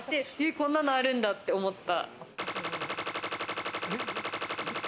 こんなのあるんだって思った。